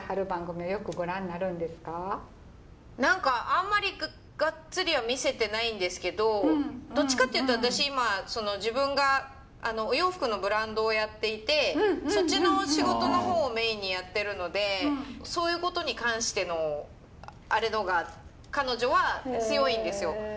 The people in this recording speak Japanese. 番組はよくご覧になるんですか？何かあんまりがっつりは見せてないんですけどどっちかっていうと私今自分がお洋服のブランドをやっていてそっちの仕事の方をメインにやってるのでそういうことに関してのアレの方が彼女は強いんですよ。